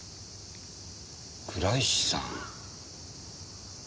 倉石さん。